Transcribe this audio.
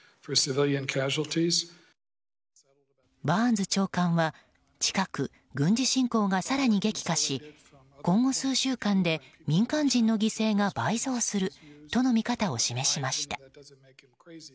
バーンズ長官は近く軍事侵攻が更に激化し今後数週間で民間人の犠牲が倍増するとの見方を示しました。